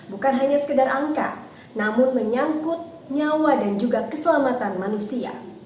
bukan hanya sekedar angka namun menyangkut nyawa dan juga keselamatan manusia